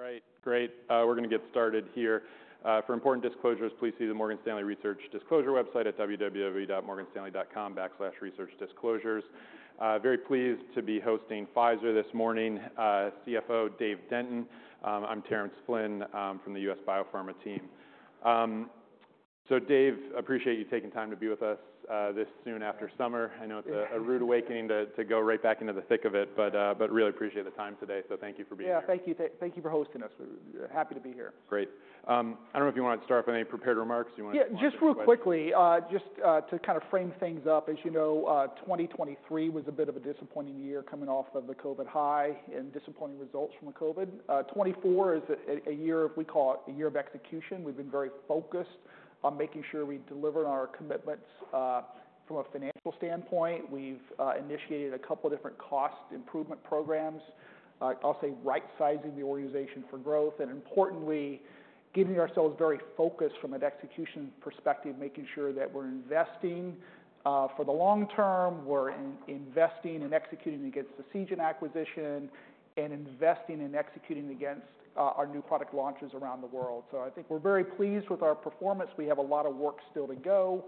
All right, great. We're gonna get started here. For important disclosures, please see the Morgan Stanley Research Disclosure website at www.morganstanley.com/researchdisclosures. Very pleased to be hosting Pfizer this morning, CFO Dave Denton. I'm Terence Flynn from the U.S. Biopharma team. So Dave, appreciate you taking time to be with us this soon after summer. I know it's a rude awakening to go right back into the thick of it, but really appreciate the time today, so thank you for being here. Yeah, thank you for hosting us. We're happy to be here. Great. I don't know if you want to start off with any prepared remarks, or you want to. Yeah, just real quickly, just to kind of frame things up. As you know, 2023 was a bit of a disappointing year coming off of the COVID high and disappointing results from the COVID. 2024 is a year, we call it a year of execution. We've been very focused on making sure we deliver on our commitments. From a financial standpoint, we've initiated a couple of different cost improvement programs. I'll say, right-sizing the organization for growth, and importantly, keeping ourselves very focused from an execution perspective, making sure that we're investing for the long term. We're investing and executing against the Seagen acquisition, and investing and executing against our new product launches around the world. So I think we're very pleased with our performance. We have a lot of work still to go.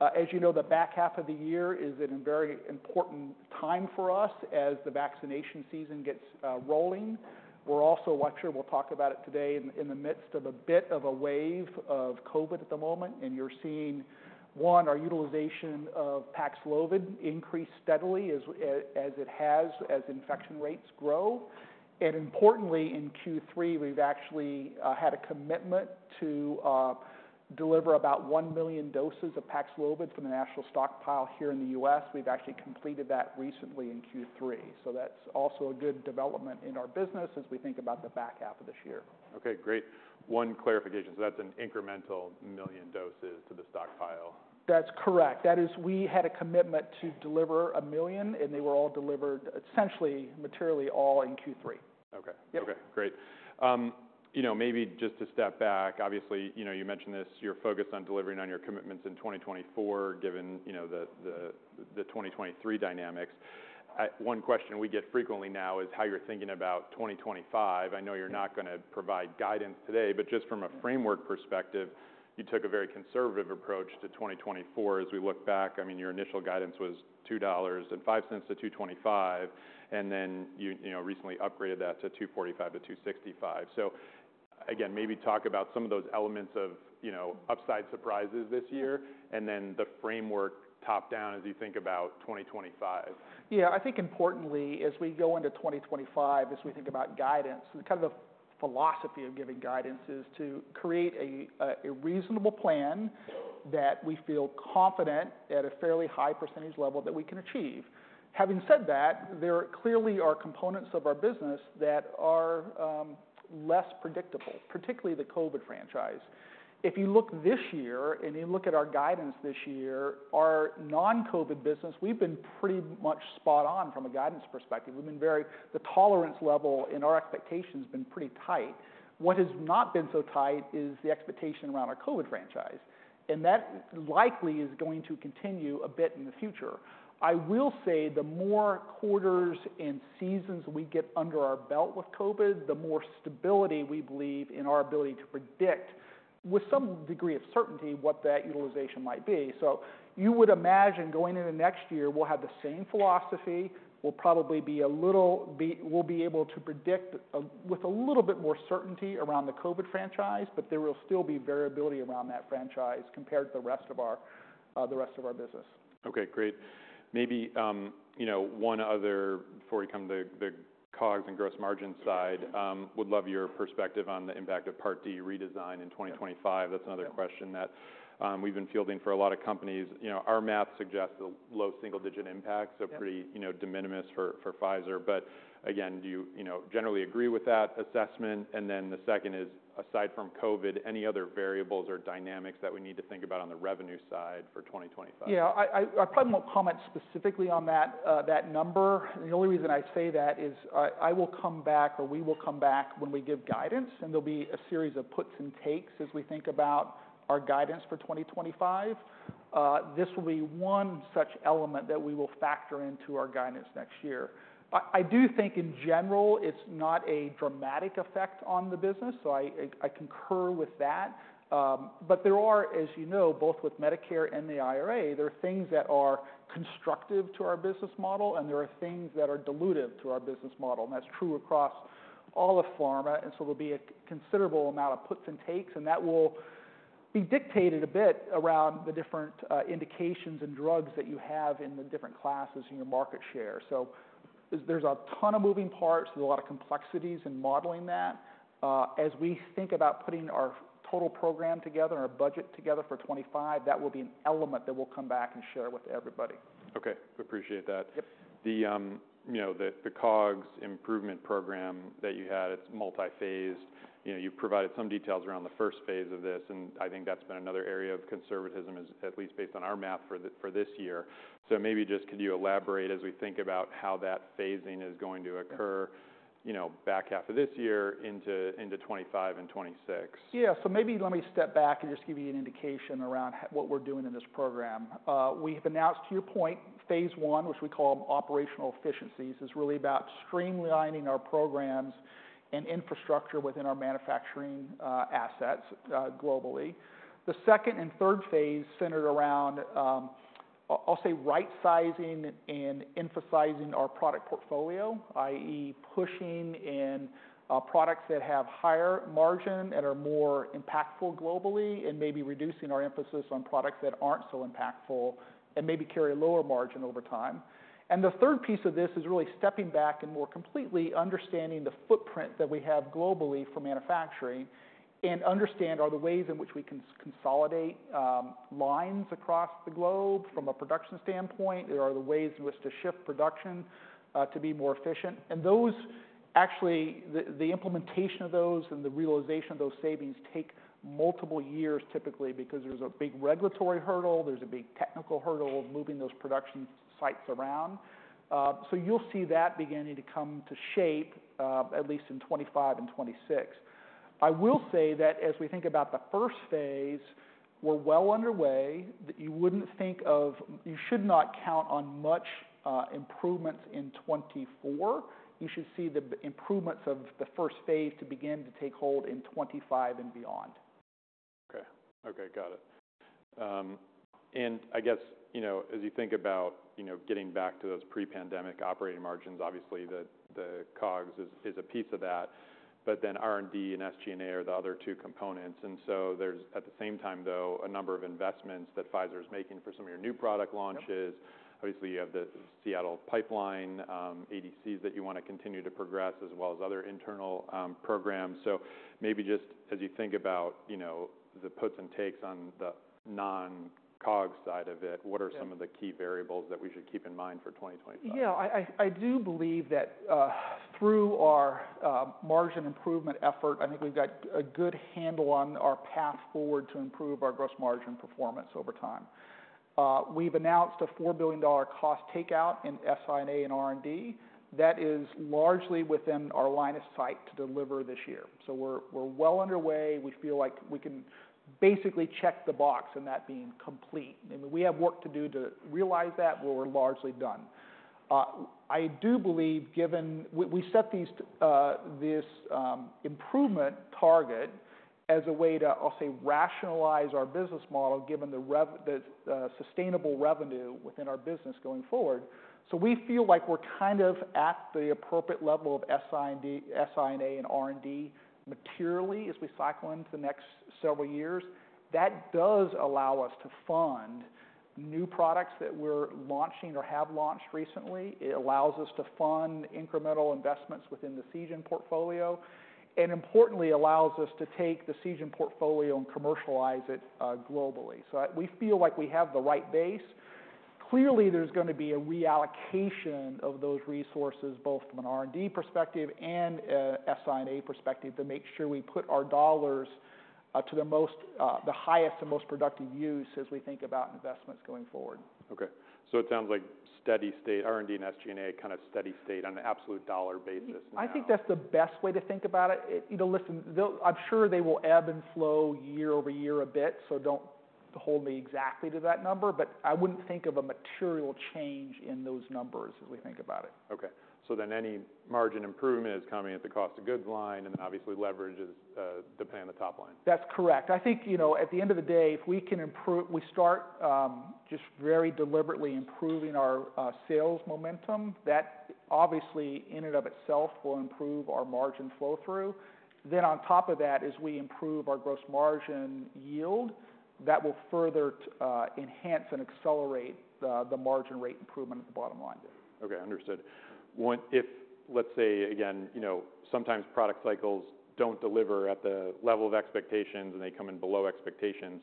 As you know, the back half of the year is a very important time for us as the vaccination season gets rolling. We're also, I'm sure we'll talk about it today, in the midst of a bit of a wave of COVID at the moment, and you're seeing our utilization of Paxlovid increase steadily as it has, as infection rates grow. And importantly, in Q3, we've actually had a commitment to deliver about one million doses of Paxlovid from the national stockpile here in the U.S. We've actually completed that recently in Q3, so that's also a good development in our business as we think about the back half of this year. Okay, great. One clarification. So that's an incremental million doses to the stockpile? That's correct. That is, we had a commitment to deliver a million, and they were all delivered essentially materially, all in Q3. Okay. Yep. Okay, great. You know, maybe just to step back, obviously, you know, you mentioned this, you're focused on delivering on your commitments in 2024, given, you know, the 2023 dynamics. One question we get frequently now is how you're thinking about 2025. I know you're not gonna provide guidance today, but just from a framework perspective, you took a very conservative approach to 2024. As we look back, I mean, your initial guidance was $2.05-$2.25, and then you, you know, recently upgraded that to $2.45-$2.65. So again, maybe talk about some of those elements of, you know, upside surprises this year, and then the framework top-down as you think about 2025. Yeah, I think importantly, as we go into 2025, as we think about guidance, and kind of the philosophy of giving guidance is to create a reasonable plan that we feel confident at a fairly high percentage level that we can achieve. Having said that, there clearly are components of our business that are less predictable, particularly the COVID franchise. If you look this year, and you look at our guidance this year, our non-COVID business, we've been pretty much spot on from a guidance perspective. We've been very. The tolerance level in our expectations has been pretty tight. What has not been so tight is the expectation around our COVID franchise, and that likely is going to continue a bit in the future. I will say the more quarters and seasons we get under our belt with COVID, the more stability we believe in our ability to predict, with some degree of certainty, what that utilization might be. So you would imagine, going into next year, we'll have the same philosophy. We'll probably be a little. We'll be able to predict, with a little bit more certainty around the COVID franchise, but there will still be variability around that franchise compared to the rest of our business. Okay, great. Maybe, you know, one other before we come to the COGS and gross margin side, would love your perspective on the impact of Part D redesign in 2025? Yeah. That's another question that, we've been fielding for a lot of companies. You know, our math suggests a low single-digit impact- Yeah... so pretty, you know, de minimis for Pfizer. But again, do you, you know, generally agree with that assessment? And then the second is: aside from COVID, any other variables or dynamics that we need to think about on the revenue side for 2025? Yeah, I probably won't comment specifically on that number. The only reason I say that is I will come back or we will come back when we give guidance, and there'll be a series of puts and takes as we think about our guidance for 2025. This will be one such element that we will factor into our guidance next year. I do think in general, it's not a dramatic effect on the business, so I concur with that. But there are, as you know, both with Medicare and the IRA, there are things that are constructive to our business model, and there are things that are dilutive to our business model, and that's true across all of pharma. And so there'll be a considerable amount of puts and takes, and that will be dictated a bit around the different indications and drugs that you have in the different classes in your market share. So there's a ton of moving parts. There's a lot of complexities in modeling that. As we think about putting our total program together and our budget together for 2025, that will be an element that we'll come back and share with everybody. Okay, appreciate that. Yep. The, you know, the COGS improvement program that you had, it's multi-phased. You know, you've provided some details around the first phase of this, and I think that's been another area of conservatism, at least based on our math for this year. So maybe just could you elaborate as we think about how that phasing is going to occur? Yeah... you know, back half of this year into 2025 and 2026? Yeah. So maybe let me step back and just give you an indication around what we're doing in this program. We have announced, to your point, phase I, which we call Operational Efficiencies, is really about streamlining our programs and infrastructure within our manufacturing assets globally. The second and third phase centered around. I'll say, right-sizing and emphasizing our product portfolio, i.e., pushing in products that have higher margin and are more impactful globally, and maybe reducing our emphasis on products that aren't so impactful and maybe carry a lower margin over time. And the third piece of this is really stepping back and more completely understanding the footprint that we have globally for manufacturing, and understand are the ways in which we can consolidate lines across the globe from a production standpoint? Or are the ways in which to shift production to be more efficient? And those actually, the implementation of those and the realization of those savings take multiple years, typically, because there's a big regulatory hurdle, there's a big technical hurdle of moving those production sites around. So you'll see that beginning to come to shape, at least in 2025 and 2026. I will say that as we think about the first phase, we're well underway. You should not count on much improvements in 2024. You should see the improvements of the first phase to begin to take hold in 2025 and beyond. Okay. Okay, got it. And I guess, you know, as you think about, you know, getting back to those pre-pandemic operating margins, obviously, the COGS is a piece of that, but then R&D and SG&A are the other two components. And so there's, at the same time, though, a number of investments that Pfizer is making for some of your new product launches. Yep. Obviously, you have the Seattle pipeline, ADCs, that you want to continue to progress, as well as other internal programs. So maybe just as you think about, you know, the puts and takes on the non-COGS side of it- Yeah... what are some of the key variables that we should keep in mind for 2025? Yeah, I do believe that through our margin improvement effort, I think we've got a good handle on our path forward to improve our gross margin performance over time. We've announced a $4 billion cost takeout in SI&A and R&D that is largely within our line of sight to deliver this year. So we're well underway. We feel like we can basically check the box in that being complete, and we have work to do to realize that, but we're largely done. I do believe, given... We set this improvement target as a way to, I'll say, rationalize our business model, given the sustainable revenue within our business going forward. So we feel like we're kind of at the appropriate level of SI&A and R&D, materially, as we cycle into the next several years. That does allow us to fund new products that we're launching or have launched recently. It allows us to fund incremental investments within the Seagen portfolio, and importantly, allows us to take the Seagen portfolio and commercialize it globally. So we feel like we have the right base. Clearly, there's gonna be a reallocation of those resources, both from an R&D perspective and a SI&A perspective, to make sure we put our dollars to the most, the highest and most productive use as we think about investments going forward. Okay, so it sounds like steady state R&D and SG&A, kind of steady state on an absolute dollar basis now. I think that's the best way to think about it. You know, listen, they'll. I'm sure they will ebb and flow year-over-year a bit, so don't hold me exactly to that number, but I wouldn't think of a material change in those numbers as we think about it. Okay. So then any margin improvement is coming at the cost of goods line, and then obviously leverage is, depending on the top line. That's correct. I think, you know, at the end of the day, if we can improve-- we start just very deliberately improving our sales momentum, that obviously, in and of itself, will improve our margin flow-through. Then on top of that, as we improve our gross margin yield, that will further enhance and accelerate the margin rate improvement at the bottom line. Okay, understood. If, let's say, again, you know, sometimes product cycles don't deliver at the level of expectations and they come in below expectations,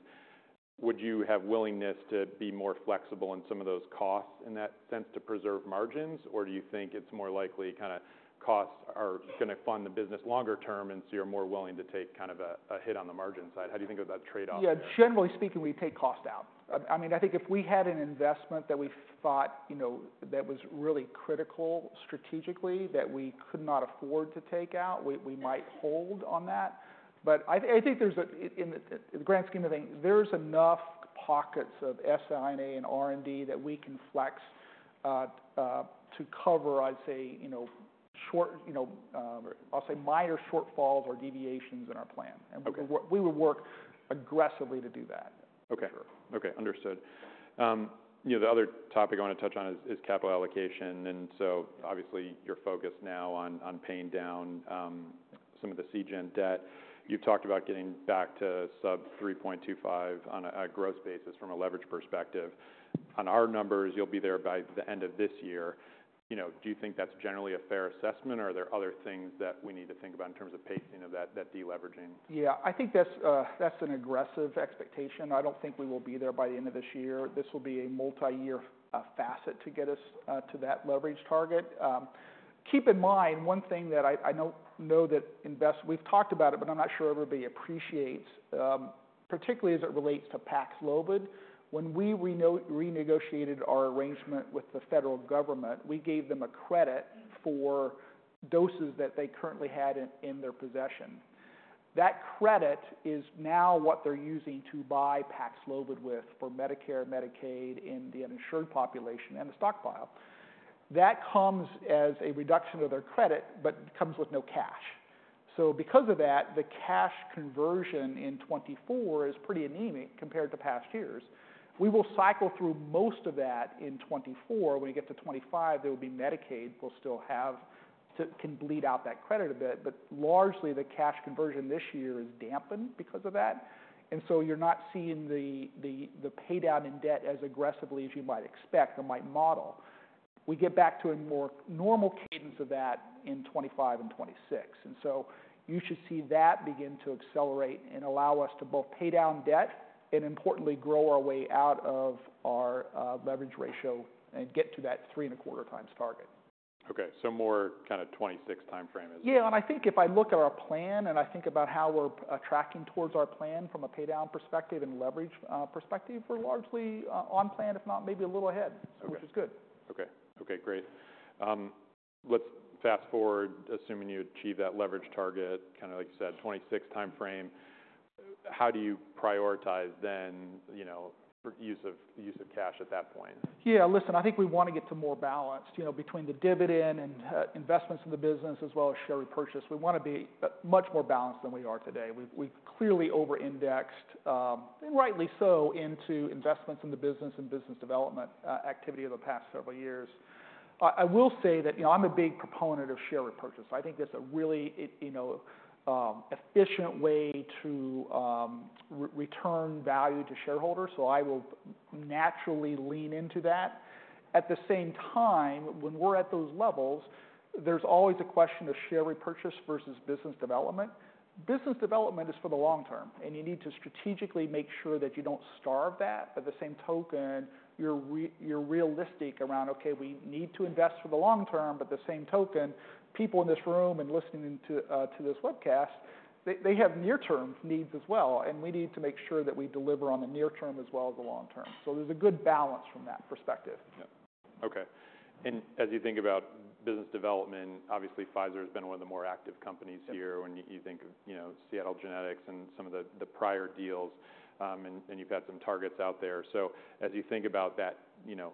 would you have willingness to be more flexible in some of those costs in that sense to preserve margins? Or do you think it's more likely kind of costs are gonna fund the business longer term, and so you're more willing to take kind of a hit on the margin side? How do you think of that trade-off there? Yeah, generally speaking, we take costs out. I mean, I think if we had an investment that we thought, you know, that was really critical strategically, that we could not afford to take out, we might hold on that. But I think there's, in the grand scheme of things, enough pockets of SI&A and R&D that we can flex to cover, I'd say, you know, I'll say minor shortfalls or deviations in our plan. Okay. We would work aggressively to do that. Okay. Sure. Okay, understood. You know, the other topic I want to touch on is capital allocation, and so obviously, you're focused now on paying down some of the Seagen debt. You've talked about getting back to sub 3.25 on a gross basis from a leverage perspective. On our numbers, you'll be there by the end of this year. You know, do you think that's generally a fair assessment, or are there other things that we need to think about in terms of pacing of that deleveraging? Yeah, I think that's an aggressive expectation. I don't think we will be there by the end of this year. This will be a multiyear facet to get us to that leverage target. Keep in mind, one thing that I don't know that we've talked about it, but I'm not sure everybody appreciates, particularly as it relates to Paxlovid. When we renegotiated our arrangement with the federal government, we gave them a credit for doses that they currently had in their possession. That credit is now what they're using to buy Paxlovid with, for Medicare, Medicaid, and the uninsured population, and the stockpile. That comes as a reduction of their credit, but comes with no cash. So because of that, the cash conversion in 2024 is pretty anemic compared to past years. We will cycle through most of that in 2024. When you get to 2025, there will be Medicaid. We'll still have to kind of bleed out that credit a bit, but largely, the cash conversion this year is dampened because of that, and so you're not seeing the pay down in debt as aggressively as you might expect or might model. We get back to a more normal cadence of that in 2025 and 2026, and so you should see that begin to accelerate and allow us to both pay down debt and importantly, grow our way out of our leverage ratio and get to that three and a quarter times target. Okay, so more kind of 2026 timeframe as- Yeah, and I think if I look at our plan and I think about how we're tracking towards our plan from a pay down perspective and leverage perspective, we're largely on plan, if not maybe a little ahead- Okay. which is good. Okay. Okay, great. Let's fast forward, assuming you achieve that leverage target, kind of like you said, 2026 timeframe. How do you prioritize then, you know, for use of, use of cash at that point? Yeah, listen, I think we want to get to more balanced, you know, between the dividend and, investments in the business, as well as share repurchase. We want to be much more balanced than we are today. We've clearly over-indexed, and rightly so, into investments in the business and business development, activity over the past several years. I will say that, you know, I'm a big proponent of share repurchase. I think that's a really, you know, efficient way to return value to shareholders, so I will naturally lean into that. At the same time, when we're at those levels, there's always a question of share repurchase versus business development. Business development is for the long term, and you need to strategically make sure that you don't starve that. At the same token, you're realistic around, okay, we need to invest for the long term, but the same token, people in this room and listening to this webcast, they have near term needs as well, and we need to make sure that we deliver on the near term as well as the long term. So there's a good balance from that perspective. Yeah. Okay, and as you think about business development, obviously Pfizer has been one of the more active companies here. Yep. When you think of, you know, Seattle Genetics and some of the prior deals, and you've had some targets out there. So as you think about that, you know,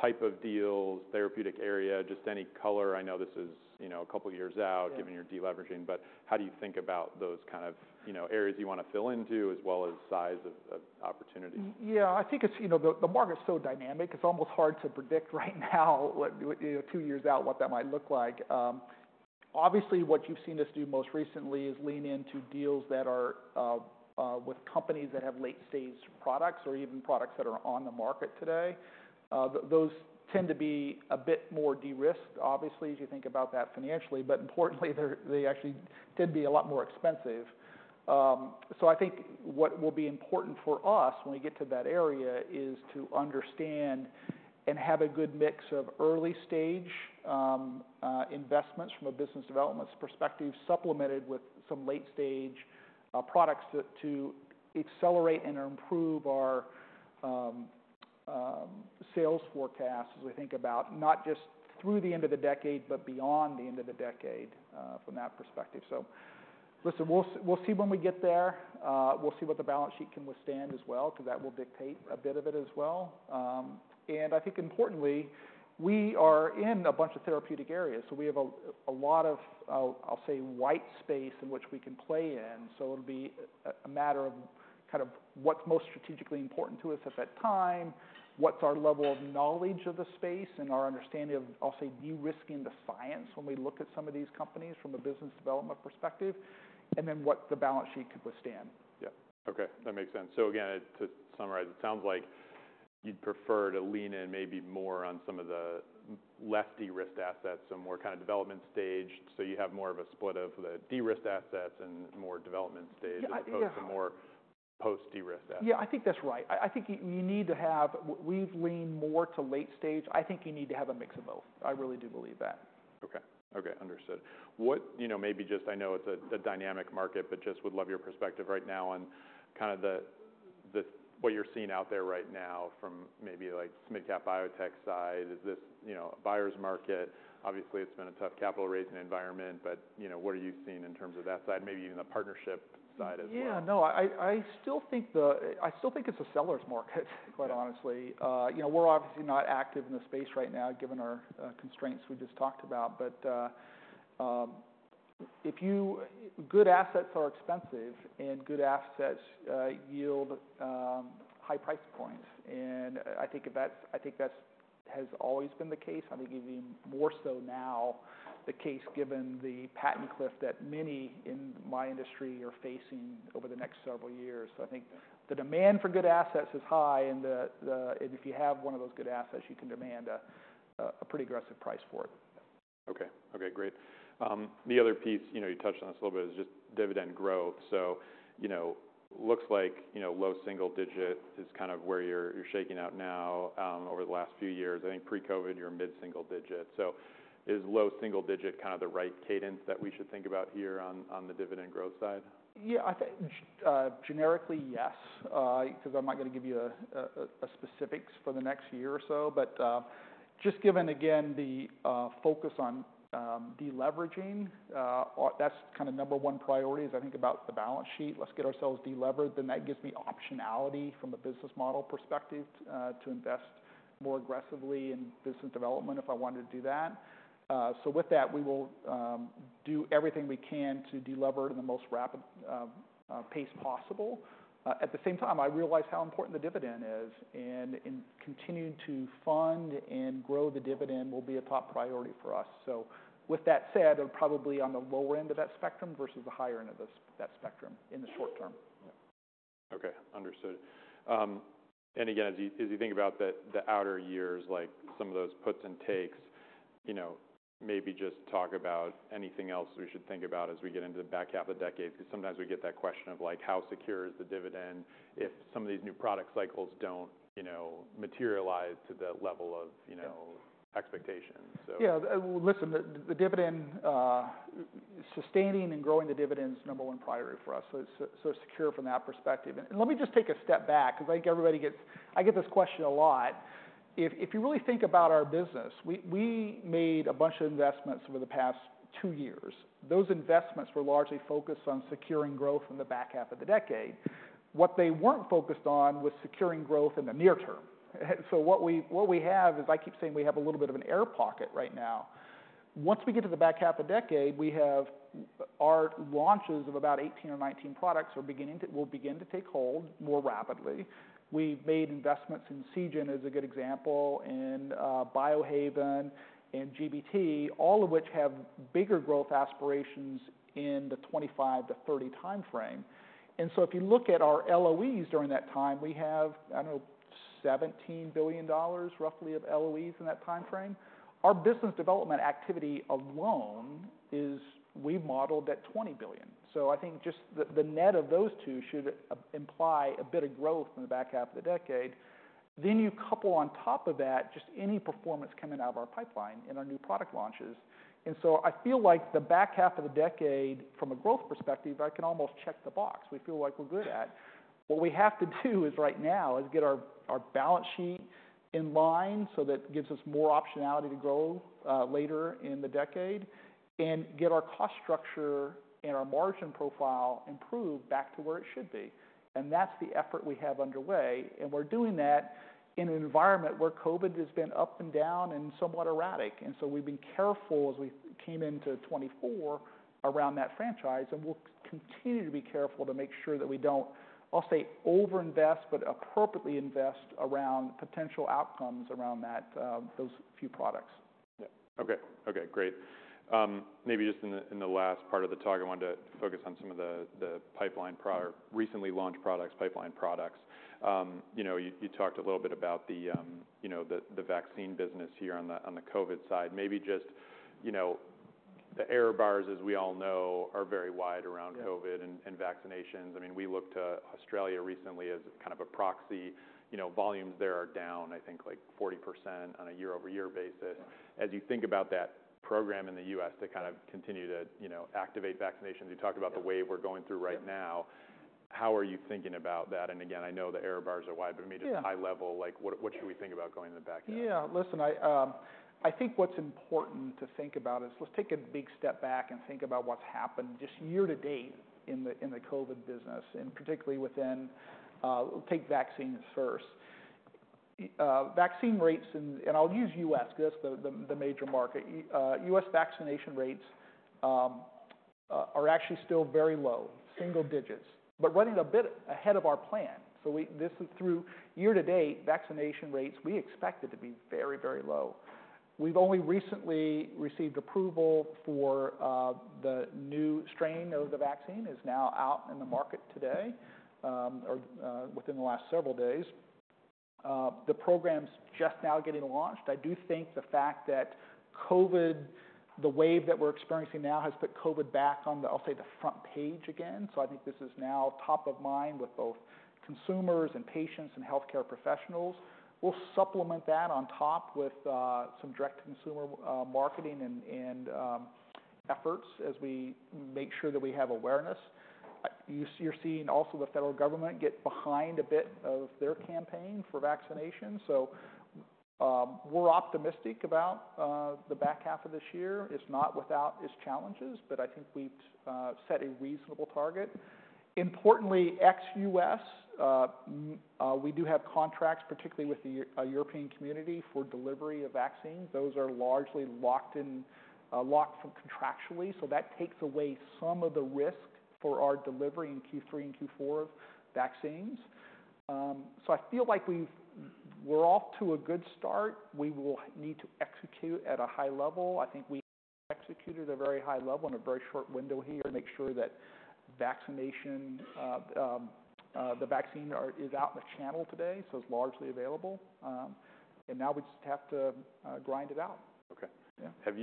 type of deals, therapeutic area, just any color... I know this is, you know, a couple of years out- Yeah Given your deleveraging, but how do you think about those kind of, you know, areas you want to fill into, as well as size of opportunity? Yeah, I think it's, you know, the, the market is so dynamic, it's almost hard to predict right now, what, you know, two years out, what that might look like. Obviously, what you've seen us do most recently is lean into deals that are with companies that have late stage products or even products that are on the market today. Those tend to be a bit more de-risked, obviously, as you think about that financially, but importantly, they actually tend to be a lot more expensive. So I think what will be important for us when we get to that area is to understand and have a good mix of early stage investments from a business development perspective, supplemented with some late stage products to accelerate and improve our sales forecast as we think about not just through the end of the decade, but beyond the end of the decade from that perspective. So listen, we'll see, we'll see when we get there. We'll see what the balance sheet can withstand as well, because that will dictate a bit of it as well. And I think importantly, we are in a bunch of therapeutic areas, so we have a lot of, I'll say, white space in which we can play in. It'll be a matter of kind of what's most strategically important to us at that time, what's our level of knowledge of the space and our understanding of, I'll say, de-risking the science when we look at some of these companies from a business development perspective, and then what the balance sheet could withstand. Yeah. Okay, that makes sense. So again, to summarize, it sounds like you'd prefer to lean in maybe more on some of the less de-risked assets, so more kind of development stage, so you have more of a split of the de-risked assets and more development stage- Yeah, yeah as opposed to more post-de-risked assets. Yeah, I think that's right. I think you need to have... We've leaned more to late stage. I think you need to have a mix of both. I really do believe that. Okay. Okay, understood. What, you know, maybe just... I know it's a dynamic market, but just would love your perspective right now on kind of the what you're seeing out there right now from maybe like mid-cap biotech side. Is this, you know, a buyer's market? Obviously, it's been a tough capital raising environment, but, you know, what are you seeing in terms of that side, maybe even the partnership side as well? Yeah, no, I still think it's a seller's market, quite honestly. Yeah. You know, we're obviously not active in the space right now, given our constraints we just talked about. But good assets are expensive and good assets yield high price points, and I think that has always been the case. I think even more so now, given the patent cliff that many in my industry are facing over the next several years. So I think the demand for good assets is high, and if you have one of those good assets, you can demand a pretty aggressive price for it. Okay. Okay, great. The other piece, you know, you touched on this a little bit, is just dividend growth. So you know, looks like, you know, low single digit is kind of where you're shaking out now, over the last few years. I think pre-COVID, you were mid-single digit. So is low single digit kind of the right cadence that we should think about here on, on the dividend growth side? Yeah, I think, generically, yes, 'cause I'm not going to give you specifics for the next year or so. But just given again the focus on deleveraging, that's kind of number one priority is I think about the balance sheet. Let's get ourselves delevered, then that gives me optionality from a business model perspective to invest more aggressively in business development if I wanted to do that. So with that, we will do everything we can to delever in the most rapid pace possible. At the same time, I realize how important the dividend is, and in continuing to fund and grow the dividend will be a top priority for us. So with that said, I'm probably on the lower end of that spectrum versus the higher end of that spectrum in the short term. Okay, understood. And again, as you think about the outer years, like some of those puts and takes, you know, maybe just talk about anything else we should think about as we get into the back half of the decade. Because sometimes we get that question of like, how secure is the dividend if some of these new product cycles don't, you know, materialize to the level of, you know- Yeah... expectations? So. Yeah, listen, the dividend, sustaining and growing the dividend is number one priority for us, so it's so secure from that perspective. And let me just take a step back, because I think everybody gets... I get this question a lot. If you really think about our business, we made a bunch of investments over the past two years. Those investments were largely focused on securing growth in the back half of the decade. What they weren't focused on was securing growth in the near term. So what we have is, I keep saying we have a little bit of an air pocket right now. Once we get to the back half a decade, we have our launches of about eighteen or nineteen products, we will begin to take hold more rapidly. We've made investments in Seagen, as a good example, in Biohaven and GBT, all of which have bigger growth aspirations in the 2025-2030 timeframe. And so if you look at our LOEs during that time, we have, I know, $17 billion roughly of LOEs in that time frame. Our business development activity alone is we modeled at $20 billion. So I think just the net of those two should imply a bit of growth in the back half of the decade. Then you couple on top of that, just any performance coming out of our pipeline and our new product launches. And so I feel like the back half of the decade, from a growth perspective, I can almost check the box. We feel like we're good at. What we have to do right now is get our balance sheet in line, so that gives us more optionality to grow later in the decade and get our cost structure and our margin profile improved back to where it should be. That's the effort we have underway, and we're doing that in an environment where COVID has been up and down and somewhat erratic. So we've been careful as we came into 2024 around that franchise, and we'll continue to be careful to make sure that we don't, I'll say, over-invest, but appropriately invest around potential outcomes around that, those few products. Yeah. Okay. Okay, great. Maybe just in the last part of the talk, I wanted to focus on some of the pipeline or recently launched products, pipeline products. You know, you talked a little bit about the vaccine business here on the COVID side. Maybe just, you know, the error bars, as we all know, are very wide around- Yeah... COVID and vaccinations. I mean, we look to Australia recently as kind of a proxy. You know, volumes there are down, I think, like 40% on a year-over-year basis. Yeah. As you think about that program in the U.S. to kind of continue to, you know, activate vaccinations, you talked about the wave we're going through right now- Yeah. How are you thinking about that? And again, I know the error bars are wide- Yeah... but maybe just high level, like, what, what should we think about going in the back end? Yeah, listen, I, I think what's important to think about is let's take a big step back and think about what's happened just year to date in the COVID business, and particularly within. We'll take vaccines first. Vaccine rates, and I'll use U.S. because that's the major market. U.S. vaccination rates are actually still very low, single digits, but running a bit ahead of our plan. So this is through year to date, vaccination rates, we expect it to be very, very low. We've only recently received approval for the new strain of the vaccine, is now out in the market today, or within the last several days. The program's just now getting launched. I do think the fact that COVID, the wave that we're experiencing now, has put COVID back on the, I'll say, the front page again. So I think this is now top of mind with both consumers and patients, and healthcare professionals. We'll supplement that on top with some direct consumer marketing and efforts as we make sure that we have awareness. You're seeing also the federal government get behind a bit of their campaign for vaccination, so we're optimistic about the back half of this year. It's not without its challenges, but I think we've set a reasonable target. Importantly, ex-U.S., we do have contracts, particularly with the European Community, for delivery of vaccines. Those are largely locked in, locked contractually, so that takes away some of the risk for our delivery in Q3 and Q4 of vaccines. So I feel like we're off to a good start. We will need to execute at a high level. I think we executed at a very high level in a very short window here to make sure that the vaccines are out in the channel today, so it's largely available. And now we just have to grind it out. Okay. Yeah. Have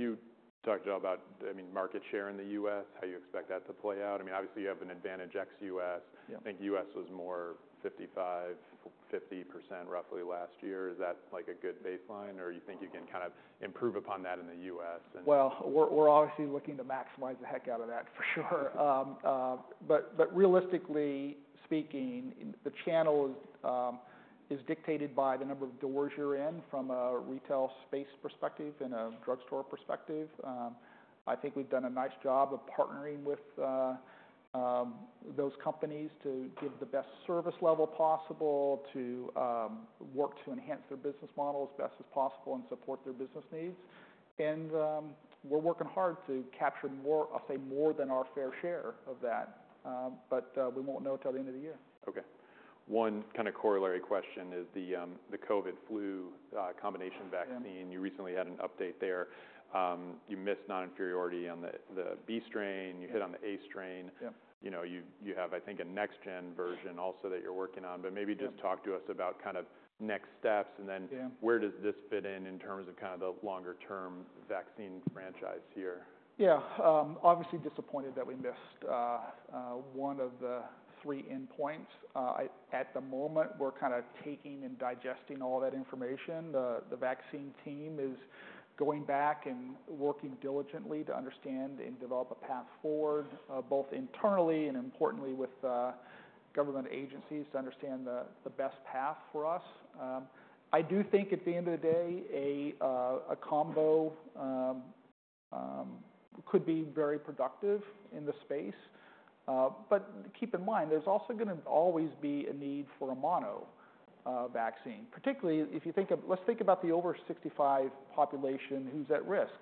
you talked at all about, I mean, market share in the U.S., how you expect that to play out? I mean, obviously, you have an advantage ex-U.S. Yeah. I think U.S. was more 55% to 50% roughly last year. Is that like a good baseline, or you think you can kind of improve upon that in the U.S. and- We're obviously looking to maximize the heck out of that, for sure. But realistically speaking, the channel is dictated by the number of doors you're in from a retail space perspective and a drugstore perspective. I think we've done a nice job of partnering with those companies to give the best service level possible, to work to enhance their business model as best as possible and support their business needs. And we're working hard to capture more, I'll say, more than our fair share of that, but we won't know till the end of the year. Okay. One kind of corollary question is the COVID flu combination vaccine- Yeah. You recently had an update there. You missed non-inferiority on the B strain. Yeah. You hit on the A strain. Yeah. You know, you have, I think, a next-gen version also that you're working on. Yeah. But maybe just talk to us about kind of next steps, and then- Yeah... where does this fit in terms of kind of the longer term vaccine franchise here? Yeah. Obviously disappointed that we missed one of the three endpoints. At the moment, we're kind of taking and digesting all that information. The vaccine team is going back and working diligently to understand and develop a path forward, both internally and importantly, with government agencies to understand the best path for us. I do think at the end of the day, a combo could be very productive in the space. But keep in mind, there's also gonna always be a need for a mono vaccine. Particularly, if you think of. Let's think about the over sixty-five population who's at risk.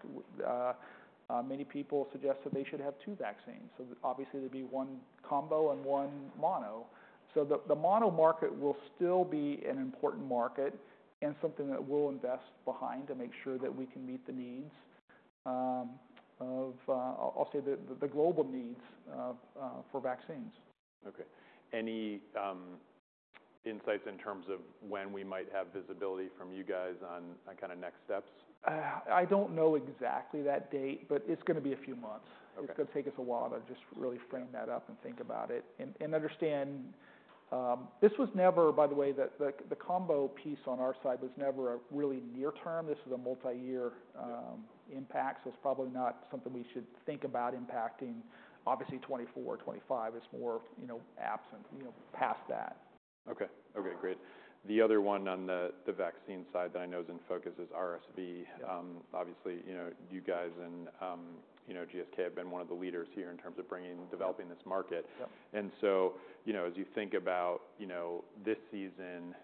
Many people suggest that they should have two vaccines, so obviously there'd be one combo and one mono. So the mono market will still be an important market and something that we'll invest behind to make sure that we can meet the needs of, I'll say, the global needs for vaccines. Okay. Any insights in terms of when we might have visibility from you guys on kind of next steps? I don't know exactly that date, but it's gonna be a few months. Okay. It's gonna take us a while to just really frame that up and think about it. And understand this was never, by the way, the combo piece on our side was never a really near term. This is a multi-year impact, so it's probably not something we should think about impacting. Obviously, 2024, 2025 is more, you know, absent, you know, past that. Okay. Okay, great. The other one on the vaccine side that I know is in focus is RSV. Yeah. Obviously, you know, you guys and, you know, GSK have been one of the leaders here in terms of bringing, developing this market. Yep. And so, you know, as you think about, you know, this season,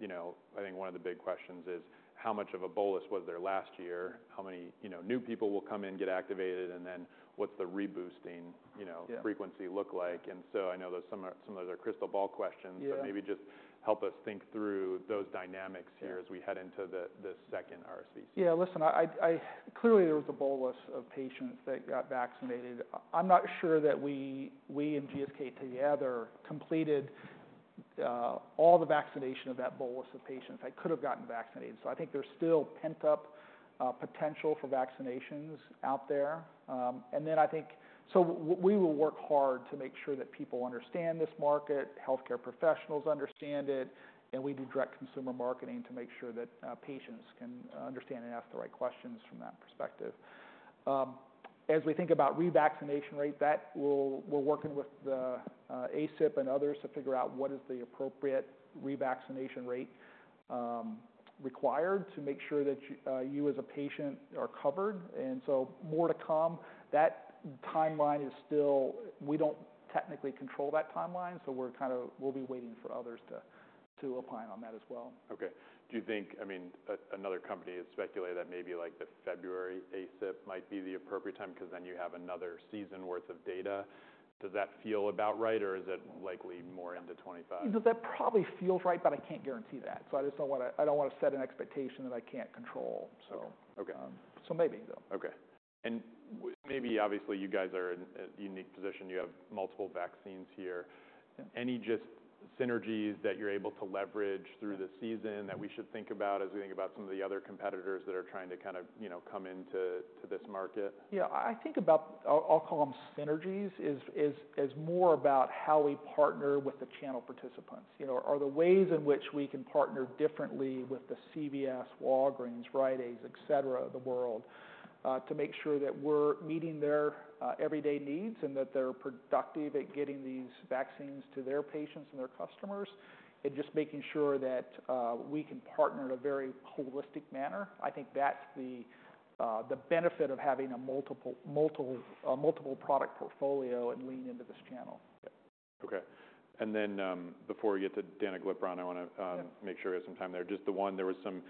you know, I think one of the big questions is: How much of a bolus was there last year? How many, you know, new people will come in, get activated, and then what's the reboosting, you know- Yeah... frequency look like? And so I know that some are, some of those are crystal ball questions. Yeah. But maybe just help us think through those dynamics here. Yeah... as we head into the second RSV. Yeah. Listen, I clearly there was a bolus of patients that got vaccinated. I'm not sure that we and GSK together completed all the vaccination of that bolus of patients that could have gotten vaccinated. So I think there's still pent-up potential for vaccinations out there. And then I think so we will work hard to make sure that people understand this market, healthcare professionals understand it, and we do direct consumer marketing to make sure that patients can understand and ask the right questions from that perspective. As we think about revaccination rate, that we're working with the ACIP and others to figure out what is the appropriate revaccination rate required to make sure that you as a patient are covered. And so more to come. That timeline is still... We don't technically control that timeline, so we're kind of- we'll be waiting for others to opine on that as well. Okay. Do you think... I mean, another company has speculated that maybe like the February ACIP might be the appropriate time, 'cause then you have another season worth of data. Does that feel about right, or is it likely more into 2025? That probably feels right, but I can't guarantee that. So I just don't wanna, I don't wanna set an expectation that I can't control, so- Okay... so maybe, though. Okay. And maybe obviously, you guys are in a unique position. You have multiple vaccines here. Any just synergies that you're able to leverage through the season that we should think about as we think about some of the other competitors that are trying to kind of, you know, come into this market? Yeah, I think I'll call them synergies is more about how we partner with the channel participants. You know, the ways in which we can partner differently with the CVS, Walgreens, Rite Aid, et cetera, of the world, to make sure that we're meeting their everyday needs and that they're productive at getting these vaccines to their patients and their customers, and just making sure that we can partner in a very holistic manner. I think that's the benefit of having a multiple product portfolio and lean into this channel. Okay. And then, before we get to danoglipron, I wanna, Yeah... make sure I have some time there. Just the one, there was some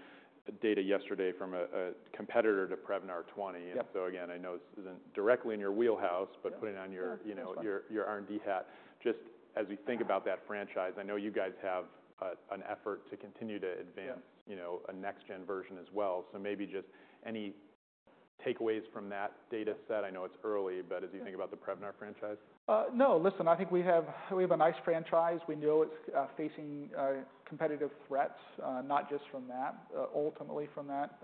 data yesterday from a competitor to Prevnar 20. Yep. And so again, I know this isn't directly in your wheelhouse- Yeah... but putting on your- Yeah, that's fine.... you know, your R&D hat. Just as we think about that franchise, I know you guys have an effort to continue to advance- Yeah... you know, a next gen version as well. So maybe just any takeaways from that data set? I know it's early, but as you think about the Prevnar franchise. No. Listen, I think we have, we have a nice franchise. We know it's facing competitive threats, not just from that, ultimately from that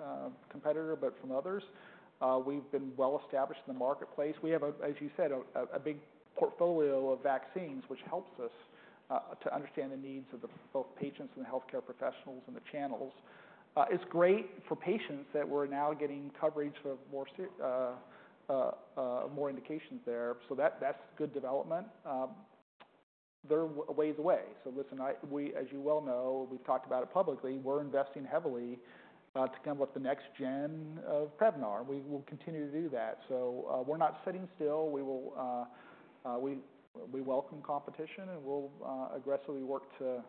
competitor, but from others. We've been well established in the marketplace. We have a, as you said, a big portfolio of vaccines, which helps us to understand the needs of both patients and the healthcare professionals and the channels. It's great for patients that we're now getting coverage for more indications there. So that, that's good development. They're a ways away. So listen, I, we, as you well know, we've talked about it publicly, we're investing heavily to come with the next gen of Prevnar. We will continue to do that. So, we're not sitting still. We will welcome competition, and we'll aggressively work to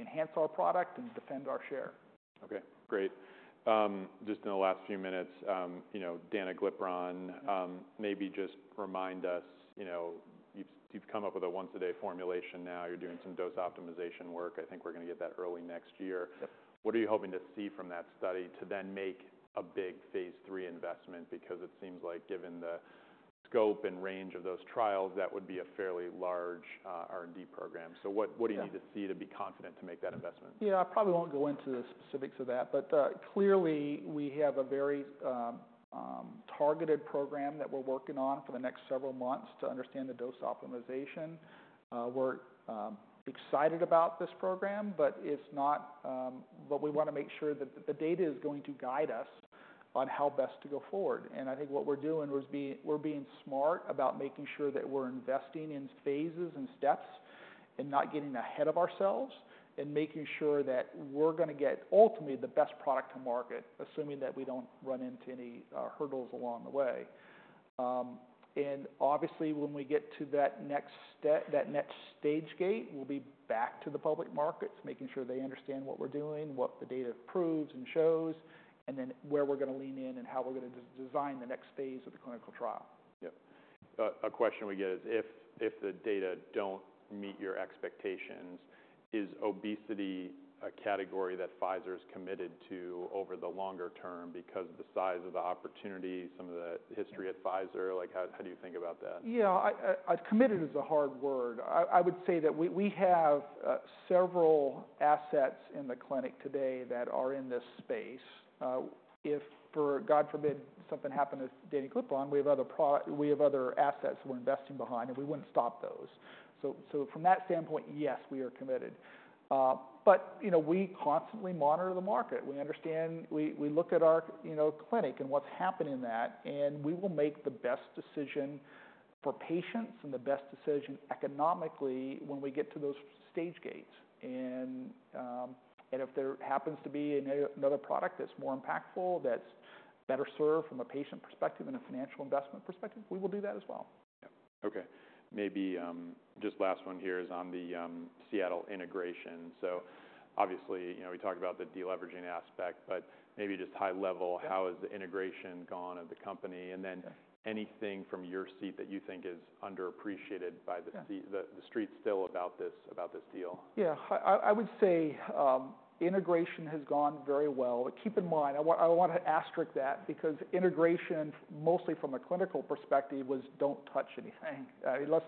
enhance our product and defend our share. Okay, great. Just in the last few minutes, you know, danoglipron, maybe just remind us, you know, you've come up with a once-a-day formulation now. You're doing some dose optimization work. I think we're gonna get that early next year. Yep. What are you hoping to see from that study to then make a big phase III investment? Because it seems like given the scope and range of those trials, that would be a fairly large R&D program. So what- Yeah... what do you need to see to be confident to make that investment? Yeah, I probably won't go into the specifics of that, but clearly we have a very targeted program that we're working on for the next several months to understand the dose optimization. We're excited about this program, but it's not... but we want to make sure that the data is going to guide us on how best to go forward, and I think what we're doing is we're being smart about making sure that we're investing in phases and steps and not getting ahead of ourselves, and making sure that we're gonna get ultimately the best product to market, assuming that we don't run into any hurdles along the way. And obviously, when we get to that next step, that next stage gate, we'll be back to the public markets, making sure they understand what we're doing, what the data proves and shows, and then where we're gonna lean in, and how we're gonna design the next phase of the clinical trial. Yep. A question we get is, if the data don't meet your expectations, is obesity a category that Pfizer is committed to over the longer term because of the size of the opportunity, some of the history at Pfizer? Like, how do you think about that? Yeah, committed is a hard word. I would say that we have several assets in the clinic today that are in this space. If, God forbid, something happened to danoglipron, we have other assets we're investing behind, and we wouldn't stop those. So from that standpoint, yes, we are committed. But, you know, we constantly monitor the market. We understand. We look at our, you know, clinic and what's happening in that, and we will make the best decision for patients and the best decision economically when we get to those stage gates. And if there happens to be another product that's more impactful, that's better served from a patient perspective and a financial investment perspective, we will do that as well. Yeah. Okay, maybe just last one here is on the Seattle integration. So obviously, you know, we talked about the deleveraging aspect, but maybe just high level- Yeah... how has the integration of the company gone? Yeah. And then anything from your seat that you think is underappreciated by the se- Yeah... the street still about this deal? Yeah. I would say integration has gone very well. But keep in mind, I want to asterisk that because integration, mostly from a clinical perspective, was, "Don't touch anything.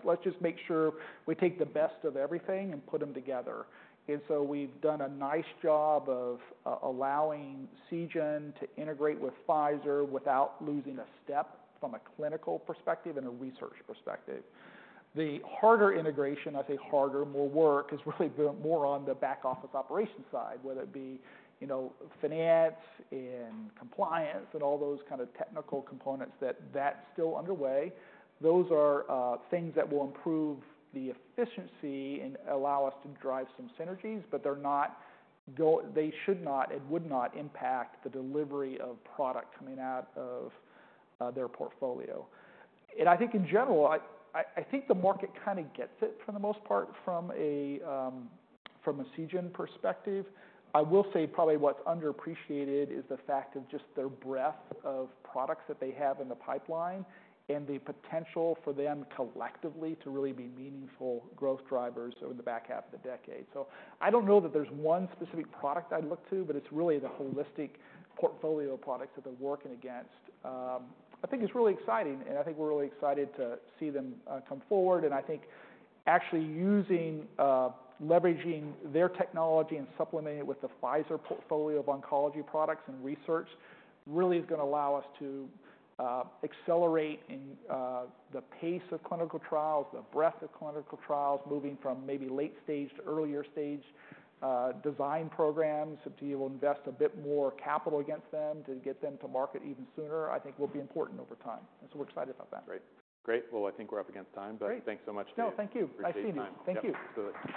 Let's just make sure we take the best of everything and put them together." And so we've done a nice job of allowing Seagen to integrate with Pfizer without losing a step from a clinical perspective and a research perspective. The harder integration, I say harder, more work, is really more on the back office operation side, whether it be, you know, finance and compliance and all those kind of technical components, that's still underway. Those are things that will improve the efficiency and allow us to drive some synergies, but they should not and would not impact the delivery of product coming out of their portfolio. I think in general, I think the market kind of gets it for the most part, from a Seagen perspective. I will say probably what's underappreciated is the fact of just their breadth of products that they have in the pipeline and the potential for them collectively to really be meaningful growth drivers over the back half of the decade. So I don't know that there's one specific product I'd look to, but it's really the holistic portfolio of products that they're working against. I think it's really exciting, and I think we're really excited to see them come forward. And I think actually using, leveraging their technology and supplementing it with the Pfizer portfolio of oncology products and research, really is gonna allow us to accelerate in the pace of clinical trials, the breadth of clinical trials, moving from maybe late stage to earlier stage design programs. To be able to invest a bit more capital against them, to get them to market even sooner, I think will be important over time, and so we're excited about that. Great. Great, well, I think we're up against time- Great... but thanks so much today. No, thank you. Appreciate your time. I see you. Thank you. Yep. Good.